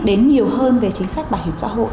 đến nhiều hơn về chính sách bảo hiểm xã hội